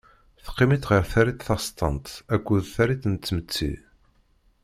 Teqqim-itt ɣer tarit tastant akked tarit n tmetti.